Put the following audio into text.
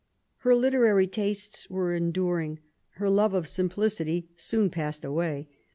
Her literary tastes were enduring; her love of simplicity soon passed away.